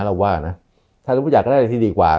เราว่านะถ้าสมมุติอยากได้อะไรที่ดีกว่า